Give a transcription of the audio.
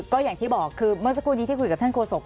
ก็อย่างที่บอกคือเมื่อสักครู่นี้ที่คุยกับท่านโฆษก